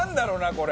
これ。